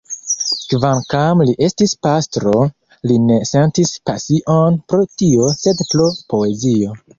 Kvankam li estis pastro, li ne sentis pasion pro tio, sed pro poezio.